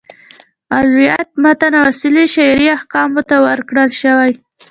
اولویت متن او اصلي شرعي احکامو ته ورکړل شوی.